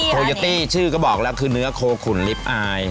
โยตี้ชื่อก็บอกแล้วคือเนื้อโคขุนลิฟต์อาย